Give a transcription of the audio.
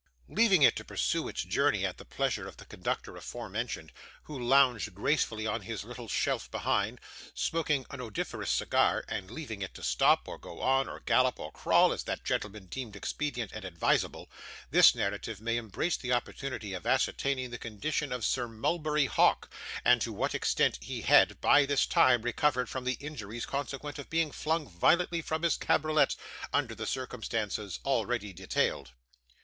Leaving it to pursue its journey at the pleasure of the conductor aforementioned, who lounged gracefully on his little shelf behind, smoking an odoriferous cigar; and leaving it to stop, or go on, or gallop, or crawl, as that gentleman deemed expedient and advisable; this narrative may embrace the opportunity of ascertaining the condition of Sir Mulberry Hawk, and to what extent he had, by this time, recovered from the injuries consequent on being flung violently from his cabriolet, under the circumstances already detailed.